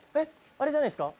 あれじゃないっすか？